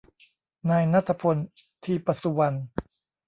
นายณัฏฐพล ทีปสุวรรณ